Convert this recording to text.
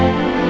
jangan bawa dia